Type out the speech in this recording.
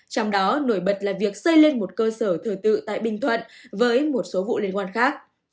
trong đó nổi bật là việc xây lên một cơ sở thờ tự tại bình thuận với một số vụ liên quan khác